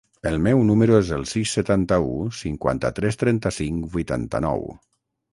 El meu número es el sis, setanta-u, cinquanta-tres, trenta-cinc, vuitanta-nou.